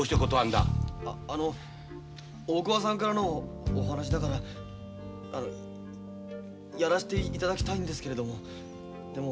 あの大桑さんからのお話だからやらせて頂きたいんですけれどでも。